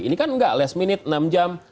ini kan enggak last minute enam jam